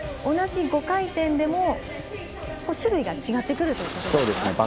同じ５回転でも種類が違ってくるということですか。